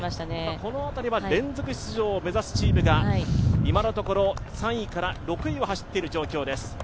この辺りは連続出場を目指すチームが、今のところ３位から６位を走っている状況です。